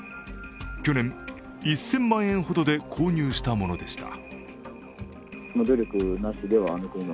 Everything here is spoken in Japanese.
去年１０００万円ほどで購入したものでした。